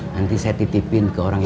nanti saya titipin ke orang lain aja ya